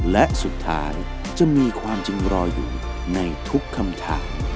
และสุดท้ายจะมีความจริงรออยู่ในทุกคำถาม